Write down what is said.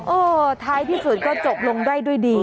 ท้ายที่สุดก็จบลงได้ด้วยดี